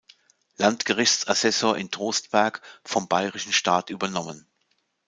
Landgerichtsassessor in Trostberg vom bayerischen Staat übernommen.